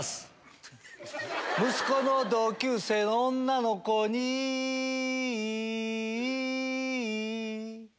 息子の同級生の女の子にい。